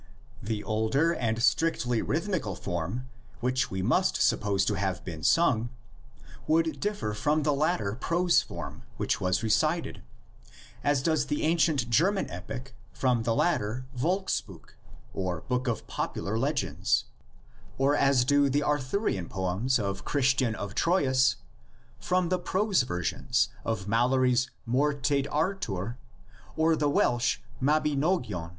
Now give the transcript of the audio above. The older and strictly rhythmical form, \Vhich we must suppose to have been sung, would differ from the later prose form, which was recited, as does the ancient German epic from the later Volksbuch (book of popular legends), or as do the Arthurian poems of Christian of Troyes LITERARY FORM OF THE LEGENDS. 39 from the prose versions of Mallory's Morte d! Arthur or the Welsh Mabinogion.